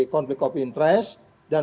konflik kepentingan dan